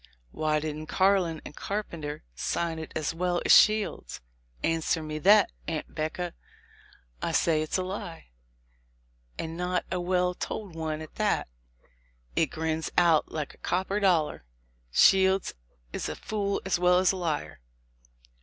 Why didn't Carlin and Carpenter sign it as well as Shields? Answer me that, Aunt 'Becca. I say it's a lie, and not a well told one at that. It grins out like a copper dollar. Shields is a fool as well as a liar.